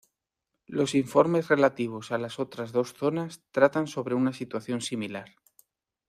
Los informes relativos a las otras dos zonas tratan sobre una situación similar.